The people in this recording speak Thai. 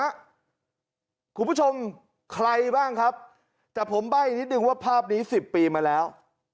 คุณผู้ชมใครบ้างครับแต่ผมใบ้นิดนึงว่าภาพนี้๑๐ปีมาแล้ว